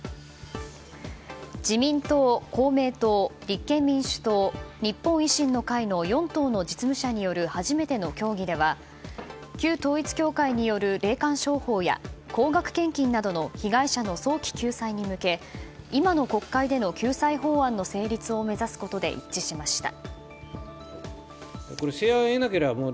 自民党、公明党、立憲民主党日本維新の会の４党の実務者による初めての協議では旧統一教会による霊感商法や高額献金などの被害者の早期救済に向け今の国会での救済法案の成立を目指すことで一致しました。